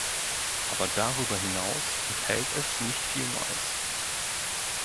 Aber darüber hinaus enthält es nicht viel Neues.